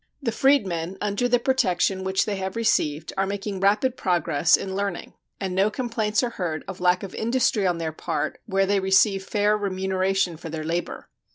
The freedmen, under the protection which they have received, are making rapid progress in learning, and no complaints are heard of lack of industry on their part where they receive fair remuneration for their labor.